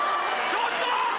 ちょっと！